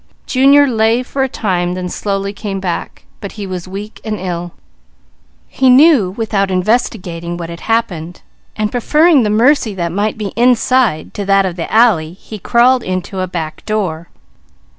Junior lay for a time, then slowly came back, but he was weak and ill. He knew without investigating what had happened, and preferring the mercy that might be inside to that of the alley, he crawled into a back door.